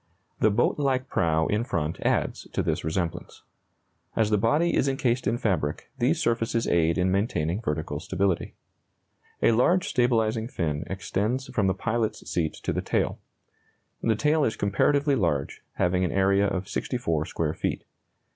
The boat like prow in front adds to this resemblance. As the body is encased in fabric, these surfaces aid in maintaining vertical stability. A large stabilizing fin extends from the pilot's seat to the tail. The tail is comparatively large, having an area of 64 square feet.